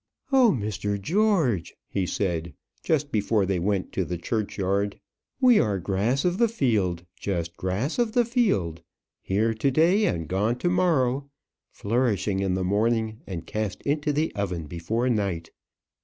"Oh, Mr. George!" he said, just before they went to the churchyard, "we are grass of the field, just grass of the field; here to day, and gone to morrow; flourishing in the morning, and cast into the oven before night!